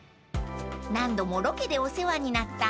［何度もロケでお世話になった］